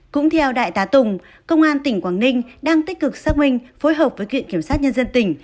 cũng theo đại tá tùng công an tỉnh quảng ninh đang tích cực xác minh phối hợp với viện kiểm sát nhân dân tỉnh